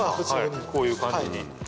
こういう感じに。